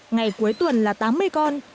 ngày cuối tuần là tám mươi con